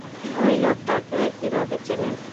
ওই লোকটাকে কীভাবে চেনেন?